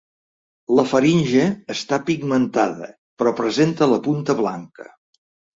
La faringe està pigmentada però presenta la punta blanca.